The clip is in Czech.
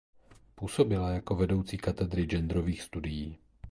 Působila jako vedoucí Katedry genderových studií.